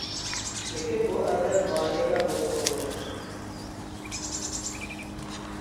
لېكىن، بۇ ئادەم ماھىرە بولسا بولمايتتى.